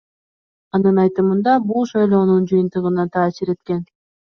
Анын айтымында, бул шайлоонун жыйынтыгына таасир эткен.